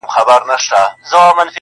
ژړا مي وژني د ژړا اوبـو تـه اور اچـوي~